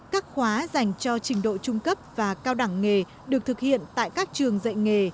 các khóa dành cho trình độ trung cấp và cao đẳng nghề được thực hiện tại các trường dạy nghề